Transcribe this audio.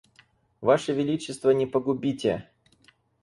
Ваше величество не погубите.